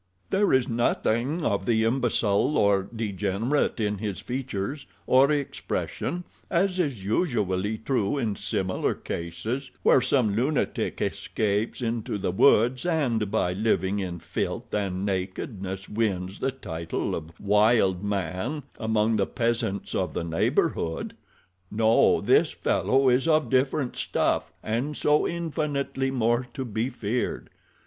There is nothing of the imbecile or degenerate in his features or expression, as is usually true in similar cases, where some lunatic escapes into the woods and by living in filth and nakedness wins the title of wild man among the peasants of the neighborhood. No, this fellow is of different stuff—and so infinitely more to be feared.